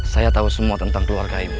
saya tahu semua tentang keluarga ibu